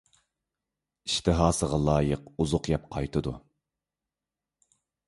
ئىشتىھاسىغا لايىق ئۇزۇق يەپ قايتىدۇ .